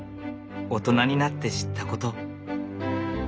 大人になって知ったこと。